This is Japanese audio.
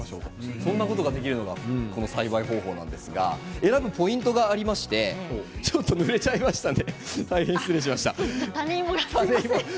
そういうことができるのがこの栽培方法なんですが選ぶポイントがありましてちょっと、ぬれちゃいましたね。